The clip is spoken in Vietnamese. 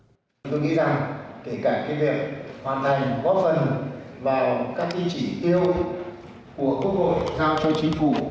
tôi nghĩ rằng kể cả cái việc hoàn thành góp gần vào các đi chỉ tiêu của quốc hội giao cho chính phủ